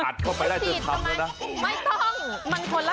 เข้าไปได้เธอทำเลยนะไม่ต้องมันคนละ